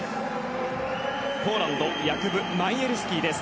ポーランドヤクブ・マイェルスキーです。